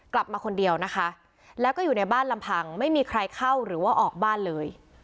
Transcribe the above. กลับมาคนเดียวนะคะแล้วก็อยู่ในบ้านลำพังไม่มีใครเข้าหรือว่าออกบ้านเลย